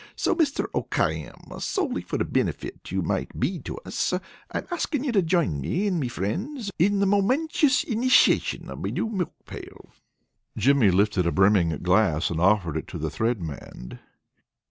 So, Mr. O'Khayam, solely for the benefit you might be to us, I'm askin' you to join me and me frinds in the momenchous initiation of me new milk pail." Jimmy lifted a brimming glass, and offered it to the Thread Man.